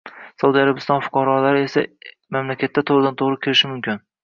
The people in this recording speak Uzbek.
Saudiya Arabistoni fuqarolari esa mamlakatga toʻgʻridan-toʻgʻri kirishi mumkin.